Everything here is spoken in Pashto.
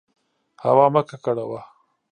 هوا مه ککړوه.